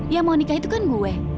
yang mau nikah itu kan gue